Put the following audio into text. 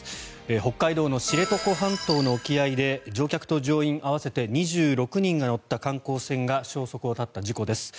北海道の知床半島の沖合で乗客と乗員合わせて２６人が乗った観光船が消息を絶った事故です。